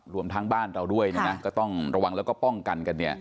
รวมทั้งบ้านเราด้วยก็ต้องระวังแล้วก็ป้องกันกัน